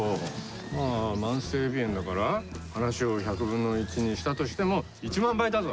まあ慢性鼻炎だから話を１００分の１にしたとしても１万倍だぞ。